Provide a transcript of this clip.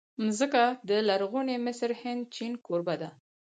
مځکه د لرغوني مصر، هند، چین کوربه ده.